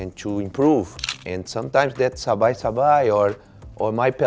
ส่วนที่สมมุติสร้างก่อนไม่เป็นมันแค่สบายหรือกับเธอ